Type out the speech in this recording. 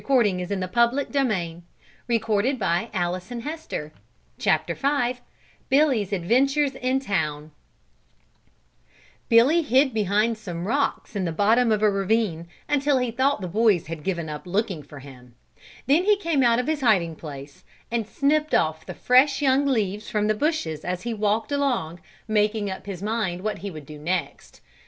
Billy's Adventures in Town Billy hid behind some rocks in the bottom of a ravine until he thought the boys had given up looking for him. Then he came out of his hiding place, and snipped off the fresh young leaves from the bushes as he walked along making up his mind what he would do next.